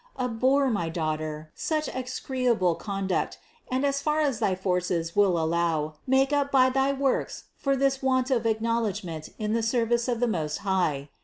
' 570. Abhor, my daughter, such execrable conduct, and as far as thy forces will allow, make up by thy works for this want of acknowledgment in the service of the Most High.